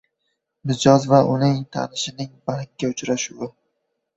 Mijoz va uning tanishining bankda uchrashuvi